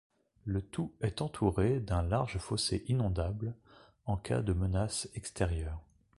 Le tout est entouré d'un large fossé inondable en cas de menaces extérieures.